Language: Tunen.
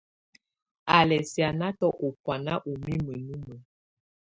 Á lɛ́ sìánatɔ́ ú bùána ú mimǝ́ númǝ́.